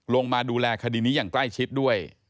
ลงมาดูแลคดีนี้อย่างใกล้ชิดด้วย